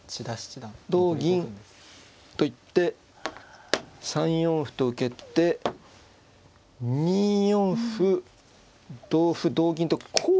同銀と行って３四歩と受けて２四歩同歩同銀とこう行けばね。